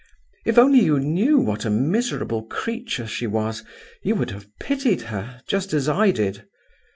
If only you knew what a miserable creature she was, you would have pitied her, just as I did.